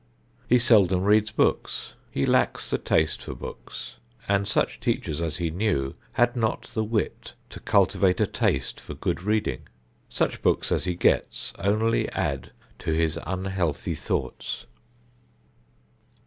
He seldom reads books. He lacks the taste for books, and such teachers as he knew had not the wit to cultivate a taste for good reading. Such books as he gets only add to his unhealthy thoughts.